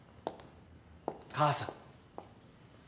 母さん。